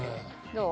どう？